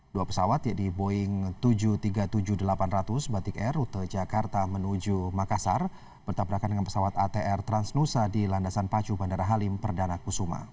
dua pesawat yaitu boeing tujuh ratus tiga puluh tujuh delapan ratus batik air rute jakarta menuju makassar bertabrakan dengan pesawat atr transnusa di landasan pacu bandara halim perdana kusuma